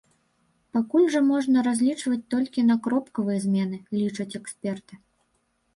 Пакуль жа можна разлічваць толькі на кропкавыя змены, лічаць эксперты.